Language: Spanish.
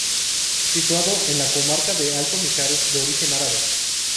Situado en la comarca del Alto Mijares, de origen árabe.